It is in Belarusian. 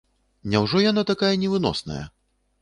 Няўжо яна такая невыносная?